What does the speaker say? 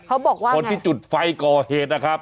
เขาบอกว่าคนที่จุดไฟก่อเหตุนะครับ